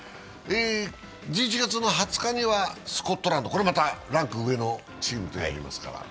１１月２０日にはスコットランド、またランク上のチームとやりますから。